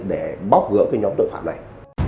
để bóc gỡ cái nhóm tội phạm này